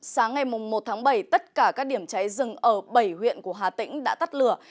sáng ngày một tháng bảy tất cả các điểm cháy rừng ở bảy huyện của hà tĩnh đã tắt lửa